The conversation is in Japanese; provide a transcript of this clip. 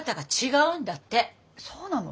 そうなの？